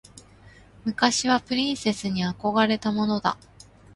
昔はプリンセスに憧れたものだ。